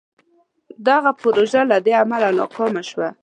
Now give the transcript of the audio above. دغه پروژه له دې امله ناکامه شوه.